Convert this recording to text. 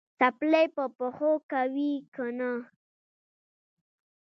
څپلۍ په پښو کوې که نه؟